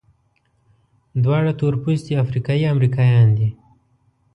دواړه تورپوستي افریقایي امریکایان دي.